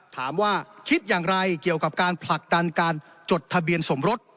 ถามว่าคิดอย่างไรเกี่ยวกับการผลักดันการจดทะเบียนสมรส